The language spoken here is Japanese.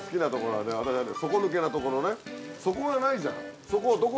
底がないじゃん。